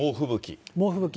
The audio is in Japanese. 猛吹雪。